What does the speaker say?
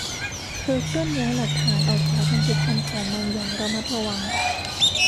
เธอเคลื่อนย้ายหลักฐานออกจากบรรจุภัณฑ์ของมันอย่างระมัดระวัง